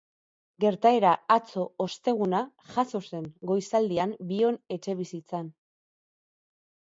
Gertaera atzo, osteguna, jazo zen, goizaldean, bion etxebizitzan.